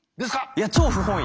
いや超不本意。